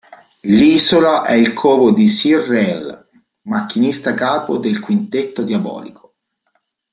L'isola è il covo di Sir Raleigh, macchinista capo del Quintetto Diabolico.